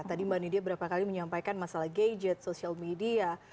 tadi mbak nidia berapa kali menyampaikan masalah gadget social media